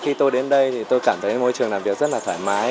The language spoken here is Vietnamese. khi tôi đến đây thì tôi cảm thấy môi trường làm việc rất là thoải mái